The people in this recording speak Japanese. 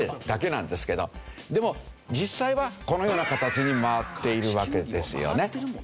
でも実際はこのような形に回っているわけですよね。